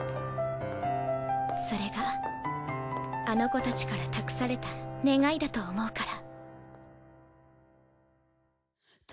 それがあの子たちから託された願いだと思うから。